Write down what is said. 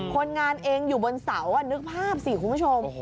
คนงานเองอยู่บนเสานึกภาพสิคุณผู้ชม